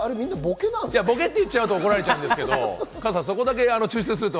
ボケって言っちゃうと怒られるんですけれど。